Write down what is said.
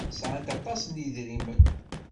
Sɛant aṭas n yedrimen.